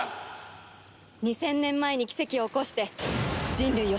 ２０００年前に奇跡を起こして人類を救った。